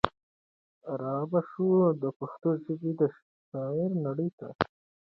را به شو د پښتو ژبي د شعر نړۍ ته